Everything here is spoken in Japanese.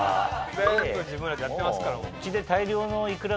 全部自分らでやってますから。